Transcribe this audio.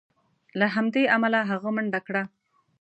له همدې امله هغه منډه کړه.